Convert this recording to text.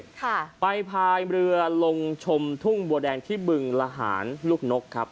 ค่ะไปพายเรือลงชมทุ่งบัวแดงที่บึงละหารลูกนกครับ